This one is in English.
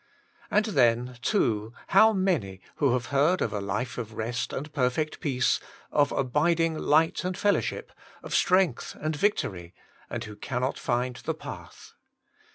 And then, too, how many, who have heard of a life of rest and perfect peace, of abiding light and fellowship, of strength and victory, and who cannot find the path.